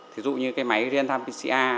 thí dụ như cái máy riêng tham pcr